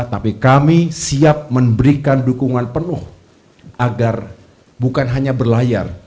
tapi kami siap memberikan dukungan penuh agar bukan hanya berlayar